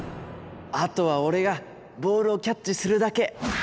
あとは俺がボールをキャッチするだけ。